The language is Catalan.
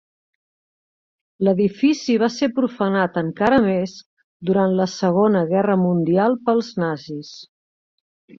L'edifici va ser profanat encara més durant la Segona Guerra Mundial pels nazis.